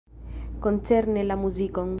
Koncerne la muzikon.